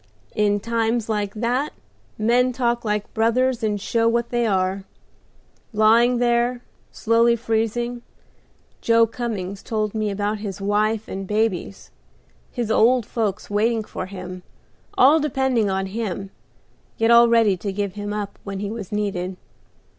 In times like that men talk like brothers and show what they are. Lying there, slowly freezing, Joe Cummings told me about his wife and babies, his old folks waiting for him, all depending on him, yet all ready to give him up when he was needed.